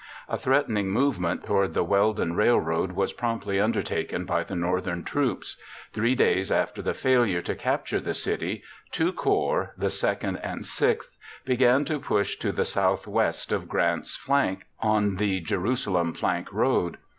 A threatening movement toward the Weldon Railroad was promptly undertaken by the Northern troops. Three days after the failure to capture the city, two corps (the II and VI) began to push to the southwest of Grant's flank on the Jerusalem Plank Road.